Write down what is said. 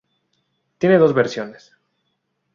Tiene dos versiones.